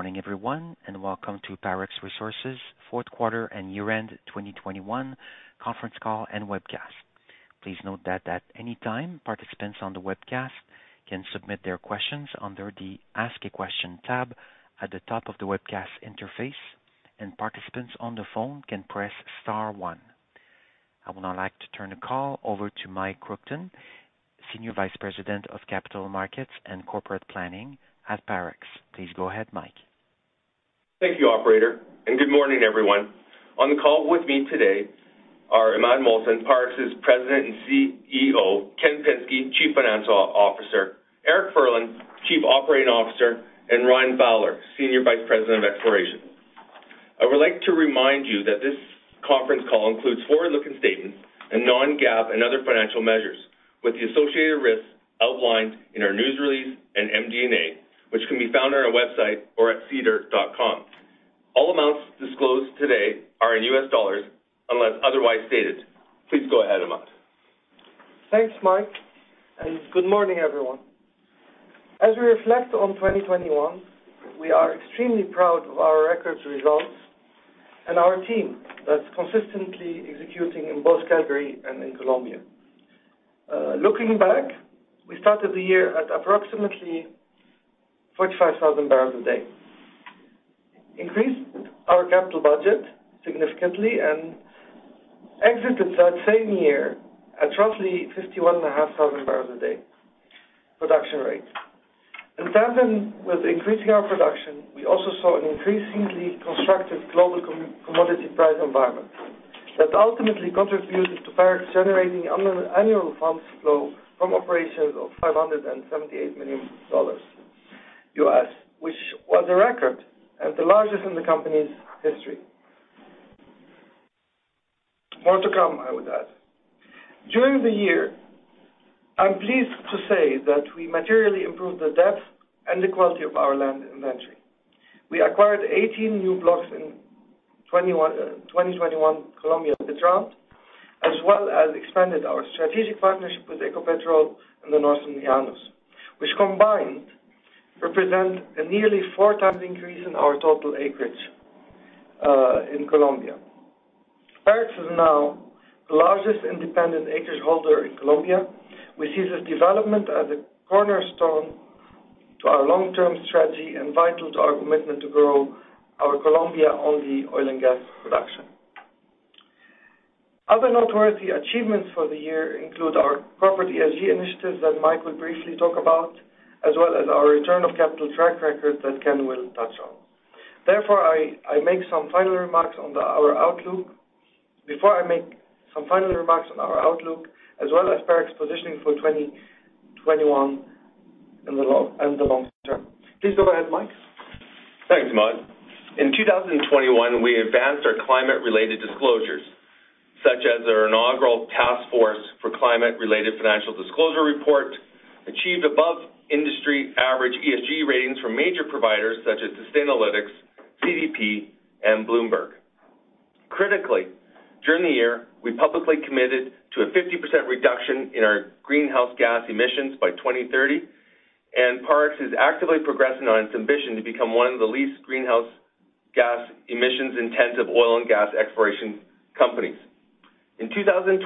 Good morning everyone, and welcome to Parex Resources Fourth Quarter and Year-End 2021 Conference Call and Webcast. Please note that at any time, participants on the webcast can submit their questions under the Ask a Question tab at the top of the webcast interface, and participants on the phone can press star one. I would now like to turn the call over to Mike Kruchten, Senior Vice President of Capital Markets and Corporate Planning at Parex. Please go ahead, Mike. Thank you, operator, and good morning everyone. On the call with me today are Imad Mohsen, Parex's President and CEO, Kenneth Pinsky, Chief Financial Officer, Eric Furlan, Chief Operating Officer, and Ryan Fowler, Senior Vice President of Exploration. I would like to remind you that this conference call includes forward-looking statements and non-GAAP and other financial measures with the associated risks outlined in our news release and MD&A, which can be found on our website or at sedar.com. All amounts disclosed today are in US dollars unless otherwise stated. Please go ahead, Imad. Thanks, Mike, and good morning everyone. As we reflect on 2021, we are extremely proud of our record results and our team that's consistently executing in both Calgary and in Colombia. Looking back, we started the year at approximately 45,000 barrels a day, increased our capital budget significantly, and exited that same year at roughly 51,500 barrels a day production rate. In tandem with increasing our production, we also saw an increasingly constructive global commodity price environment that ultimately contributed to Parex generating annual funds flow from operations of $578 million, which was a record and the largest in the company's history. More to come, I would add. During the year, I'm pleased to say that we materially improved the depth and the quality of our land inventory. We acquired 18 new blocks in 2021 Colombia bid round, as well as expanded our strategic partnership with Ecopetrol in the Northern Llanos, which combined represent a nearly four times increase in our total acreage in Colombia. Parex is now the largest independent acreage holder in Colombia. We see this development as a cornerstone to our long-term strategy and vital to our commitment to grow our Colombia-only oil and gas production. Other noteworthy achievements for the year include our corporate ESG initiatives that Mike will briefly talk about, as well as our return of capital track record that Ken will touch on. Therefore, before I make some final remarks on our outlook, as well as Parex positioning for 2021 in the long term. Please go ahead, Mike. Thanks, Imad. In 2021, we advanced our climate-related disclosures such as our inaugural Task Force on Climate-related Financial Disclosures report, achieved above industry average ESG ratings from major providers such as Sustainalytics, CDP, and Bloomberg. Critically, during the year, we publicly committed to a 50% reduction in our greenhouse gas emissions by 2030, and Parex is actively progressing on its ambition to become one of the least greenhouse gas emissions intensive oil and gas exploration companies. In 2021,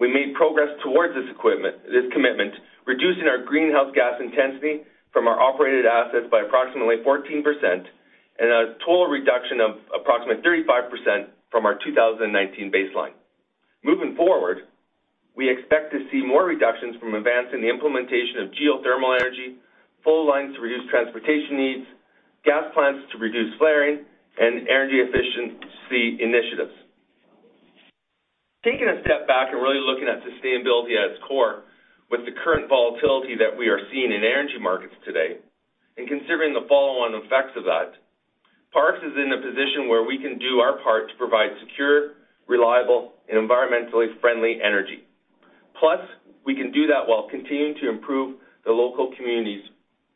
we made progress towards this commitment, reducing our greenhouse gas intensity from our operated assets by approximately 14% and a total reduction of approximately 35% from our 2019 baseline. Moving forward, we expect to see more reductions from advancing the implementation of geothermal energy, pipelines to reduce transportation needs, gas plants to reduce flaring, and energy efficiency initiatives. Taking a step back and really looking at sustainability at its core with the current volatility that we are seeing in energy markets today and considering the follow-on effects of that, Parex is in a position where we can do our part to provide secure, reliable, and environmentally friendly energy. Plus, we can do that while continuing to improve the local communities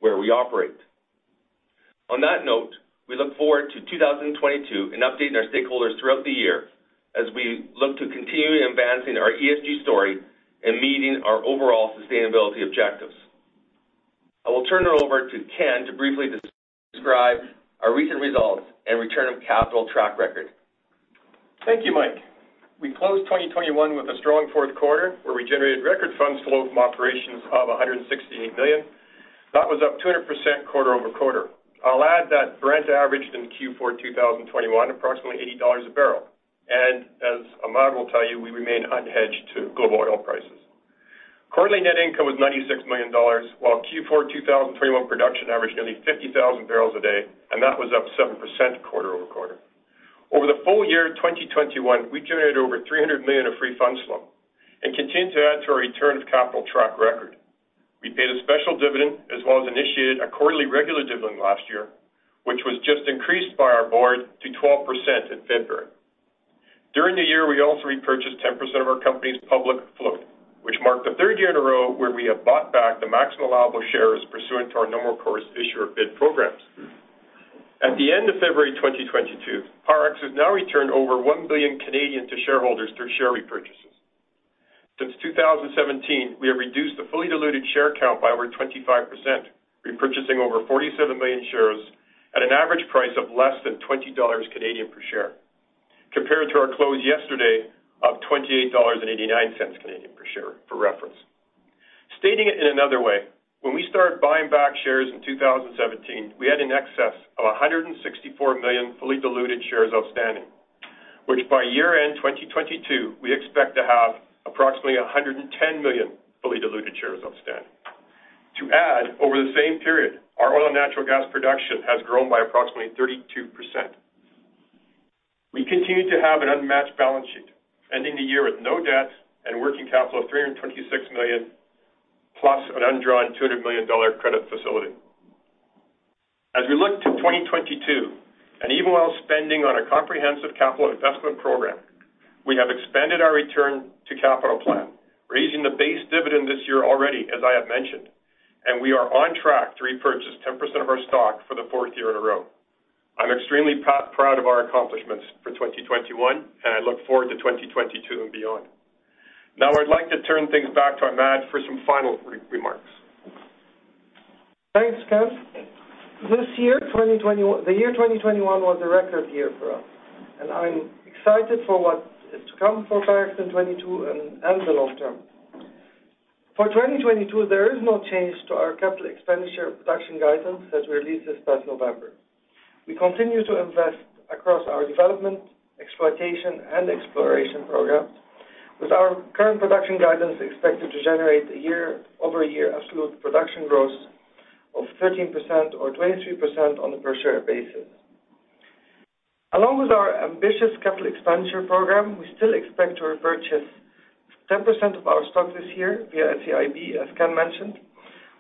where we operate. On that note, we look forward to 2022 and updating our stakeholders throughout the year as we look to continuing advancing our ESG story and meeting our overall sustainability objectives. I will turn it over to Ken to briefly describe our recent results and return of capital track record. Thank you, Mike. We closed 2021 with a strong fourth quarter where we generated record funds flow from operations of $168 million. That was up 200% quarter-over-quarter. I'll add that Brent averaged in Q4 2021 approximately $80 a barrel. Imad will tell you, we remain unhedged to global oil prices. Quarterly net income was $96 million, while Q4 2021 production averaged nearly 50,000 barrels a day, and that was up 7% quarter-over-quarter. Over the full year of 2021, we generated over $300 million of free funds flow and continued to add to our return of capital track record. We paid a special dividend as well as initiated a quarterly regular dividend last year, which was just increased by our board to 12% in February. During the year, we also repurchased 10% of our company's public float, which marked the third year in a row where we have bought back the maximum allowable shares pursuant to our Normal Course Issuer Bid programs. At the end of February 2022, Parex has now returned over 1 billion to shareholders through share repurchases. Since 2017, we have reduced the fully diluted share count by over 25%, repurchasing over 47 million shares at an average price of less than 20 Canadian dollars per share, compared to our close yesterday of 28.89 Canadian dollars per share for reference. Stating it in another way, when we started buying back shares in 2017, we had in excess of 164 million fully diluted shares outstanding, which by year-end 2022, we expect to have approximately 110 million fully diluted shares outstanding. To add, over the same period, our oil and natural gas production has grown by approximately 32%. We continue to have an unmatched balance sheet, ending the year with no debt and working capital of $326 million plus an undrawn $200 million credit facility. As we look to 2022, even while spending on a comprehensive capital investment program, we have expanded our return to capital plan, raising the base dividend this year already, as I have mentioned, and we are on track to repurchase 10% of our stock for the fourth year in a row. I'm extremely proud of our accomplishments for 2021, and I look forward to 2022 and beyond. Now, I'd like to turn things back to Imad for some final remarks. Thanks, Ken. 2021 was a record year for us, and I'm excited for what is to come for Parex in 2022 and the long term. For 2022, there is no change to our capital expenditure production guidance that we released this past November. We continue to invest across our development, exploitation, and exploration programs, with our current production guidance expected to generate a year-over-year absolute production growth of 13% or 23% on a per-share basis. Along with our ambitious capital expenditure program, we still expect to repurchase 10% of our stock this year via NCIB, as Ken mentioned,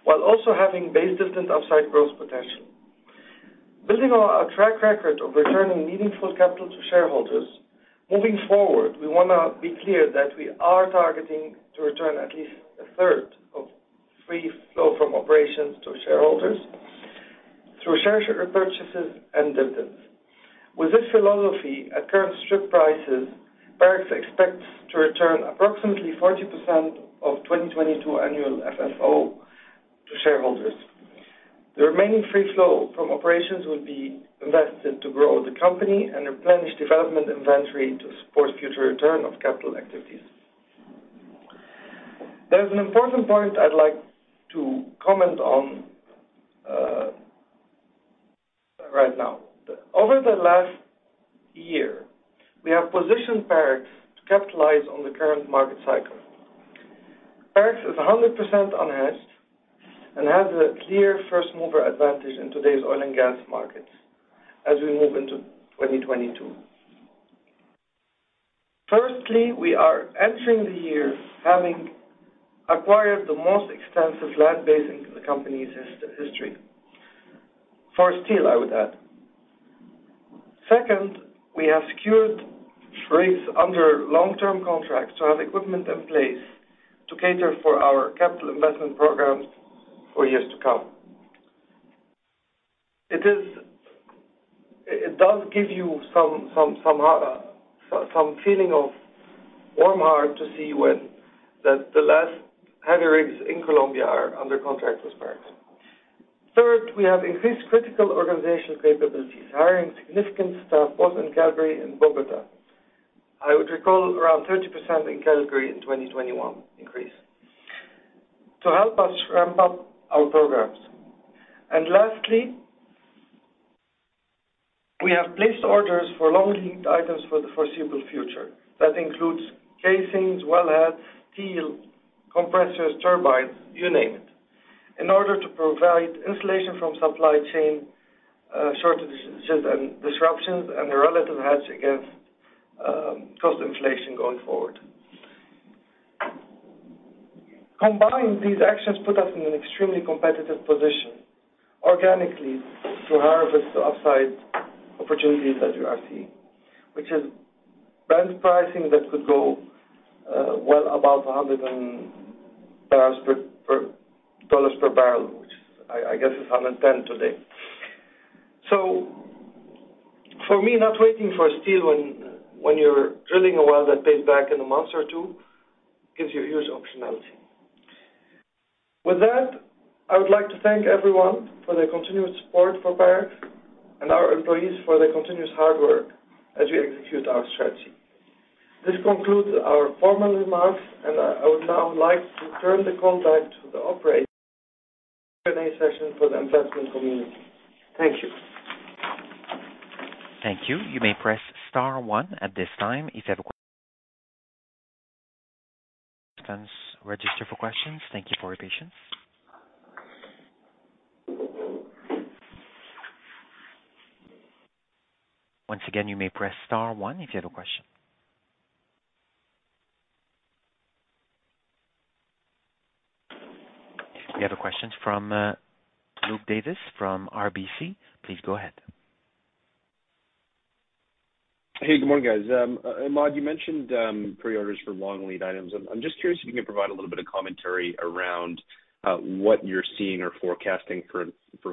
while also having base dividend upside growth potential. Building on our track record of returning meaningful capital to shareholders, moving forward, we wanna be clear that we are targeting to return at least a third of free flow from operations to shareholders through share repurchases and dividends. With this philosophy, at current strip prices, Parex expects to return approximately 40% of 2022 annual FFO to shareholders. The remaining free flow from operations will be invested to grow the company and replenish development inventory to support future return of capital activities. There's an important point I'd like to comment on right now. Over the last year, we have positioned Parex to capitalize on the current market cycle. Parex is 100% unhedged and has a clear first-mover advantage in today's oil and gas markets as we move into 2022. Firstly, we are entering the year having acquired the most extensive land base in the company's history. For a steal, I would add. Second, we have secured rigs under long-term contracts to have equipment in place to cater for our capital investment programs for years to come. It does give you some feeling of warm heart to see that the last heavy rigs in Colombia are under contract with Parex. Third, we have increased critical organization capabilities, hiring significant staff both in Calgary and Bogotá. I would recall around 30% in Calgary in 2021 increase to help us ramp up our programs. Lastly, we have placed orders for long-lead items for the foreseeable future. That includes casings, wellheads, steel, compressors, turbines, you name it, in order to provide insulation from supply chain shortages and disruptions, and a relative hedge against cost inflation going forward. Combined, these actions put us in an extremely competitive position organically to harvest the upside opportunities that you are seeing, which is Brent pricing that could go well above $100 per barrel, which I guess is $110 today. For me, not waiting for a steal when you're drilling a well that pays back in a month or two gives you huge optionality. With that, I would like to thank everyone for their continuous support for Parex and our employees for their continuous hard work as we execute our strategy. This concludes our formal remarks, and I would now like to turn the call back to the operator for the Q&A session for the investment community. Thank you. Thank you. You may press star one at this time if you have a question. Thank you for your patience. Once again, you may press star one if you have a question. We have a question from Luke Davis from RBC. Please go ahead. Hey, good morning, guys. Imad, you mentioned preorders for long lead items. I'm just curious if you can provide a little bit of commentary around what you're seeing or forecasting for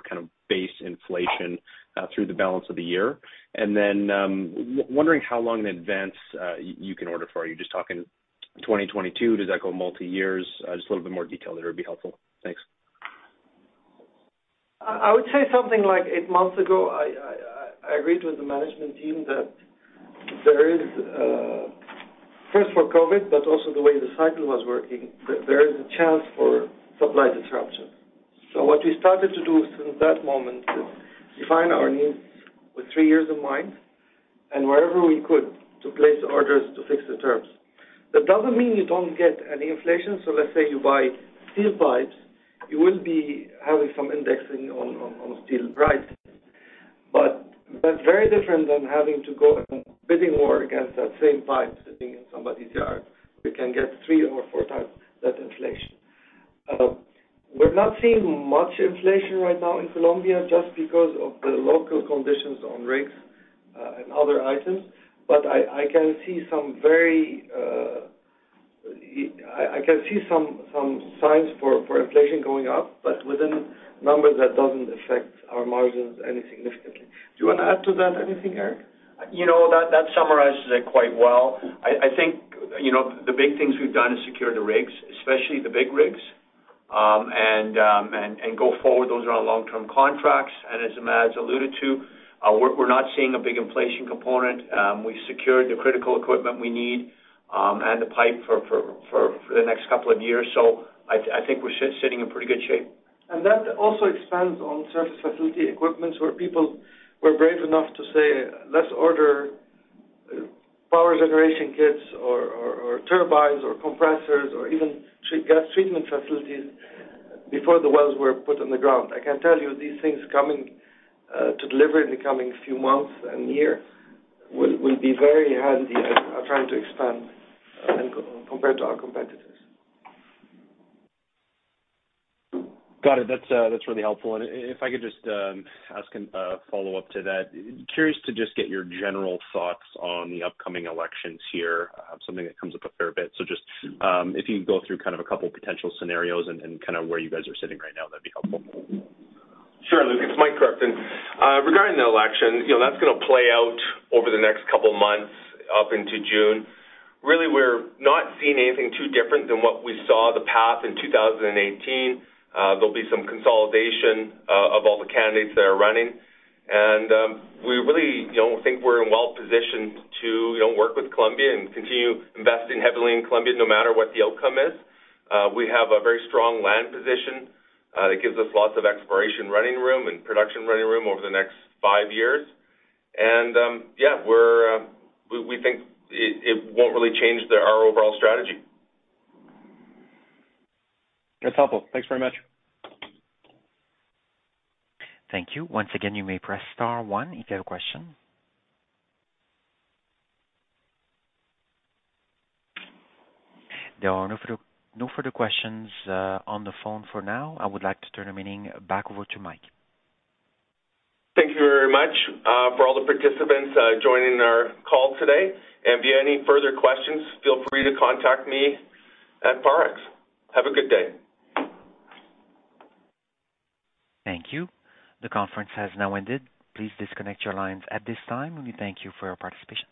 kind of base inflation through the balance of the year. Wondering how long in advance you can order for. Are you just talking 2022? Does that go multi years? Just a little bit more detail there would be helpful. Thanks. I would say something like eight months ago, I agreed with the management team that there is first for COVID, but also the way the cycle was working, there is a chance for supply disruption. What we started to do since that moment is define our needs with three years in mind, and wherever we could to place orders to fix the terms. That doesn't mean you don't get any inflation. Let's say you buy steel pipes, you will be having some indexing on steel price. That's very different than having to go into a bidding war against that same pipe sitting in somebody's yard. We can get three or four times that inflation. We're not seeing much inflation right now in Colombia just because of the local conditions on rigs and other items. I can see some signs for inflation going up, but within numbers that doesn't affect our margins any significantly. Do you wanna add to that anything, Eric? You know, that summarizes it quite well. I think, you know, the big things we've done is secure the rigs, especially the big rigs. Go forward, those are on long-term contracts. Imad's alluded to, we're not seeing a big inflation component. We've secured the critical equipment we need, and the pipe for the next couple of years. I think we're sitting in pretty good shape. That also expands on surface facility equipment, where people were brave enough to say, "Let's order power generation kits or turbines or compressors or even gas treatment facilities," before the wells were put on the ground. I can tell you these things coming to deliver in the coming few months and year will be very handy as we are trying to expand and compared to our competitors. Got it. That's really helpful. If I could just ask a follow-up to that. I'm curious to just get your general thoughts on the upcoming elections here, something that comes up a fair bit. Just, if you can go through kind of a couple potential scenarios and kind of where you guys are sitting right now, that'd be helpful. Sure, Luke. It's Mike Kruchten. Regarding the election, you know, that's gonna play out over the next couple months up into June. Really, we're not seeing anything too different than what we saw the path in 2018. There'll be some consolidation of all the candidates that are running. We really, you know, think we're well-positioned to, you know, work with Colombia and continue investing heavily in Colombia no matter what the outcome is. We have a very strong land position that gives us lots of exploration running room and production running room over the next five years. We think it won't really change our overall strategy. That's helpful. Thanks very much. Thank you. Once again, you may press star one if you have a question. There are no further questions on the phone for now. I would like to turn the meeting back over to Mike. Thank you very much for all the participants joining our call today. If you have any further questions, feel free to contact me at Parex. Have a good day. Thank you. The conference has now ended. Please disconnect your lines at this time. We thank you for your participation.